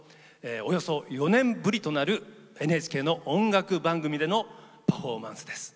およそ４年ぶりとなるＮＨＫの音楽番組でのパフォーマンスです。